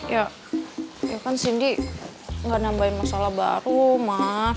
ya ya kan sindi gak nambahin masalah baru mas